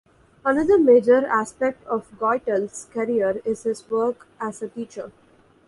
Another major aspect of Guettel's career is his work as a teacher.